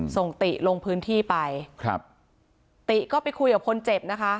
ติลงพื้นที่ไปครับติก็ไปคุยกับคนเจ็บนะคะ